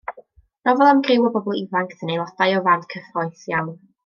Nofel am griw o bobl ifanc sy'n aelodau o fand cyffrous iawn.